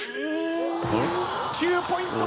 ９ポイント！